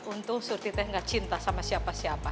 untung surty teh gak cinta sama siapa siapa